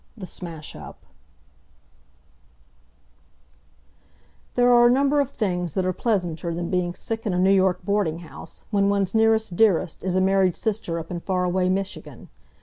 THE SMASH UP There are a number of things that are pleasanter than being sick in a New York boarding house when one's nearest dearest is a married sister up in far away Michigan.